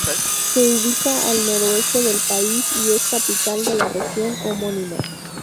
Se ubica al noreste del país y es capital de la región homónima.